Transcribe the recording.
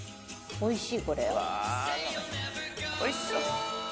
おいしい。